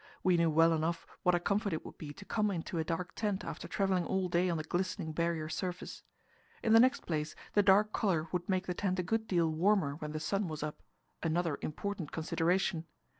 We knew well enough what a comfort it would be to come into a dark tent after travelling all day on the glistening Barrier surface. In the next place, the dark colour would make the tent a good deal warmer when the sun was up another important consideration.